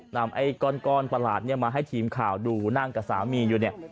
ไอ้ก้อนประหลาดเนี่ยมาให้ทีมข่าวดูนั่งกับสามีอยู่เนี่ย